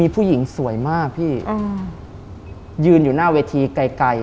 ผู้หญิงที่เป็นนางเอก